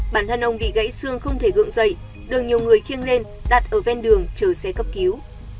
bản thân ông bị gãy xương không thể gượng dậy đường nhiều người khiêng lên đặt ở ven đường chờ xe cấp cứu